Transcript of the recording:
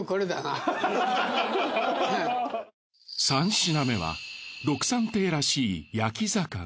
３品目はろくさん亭らしい焼き魚。